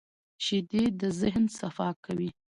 شیدې د ذهن صفا کوي